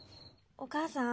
お母さん。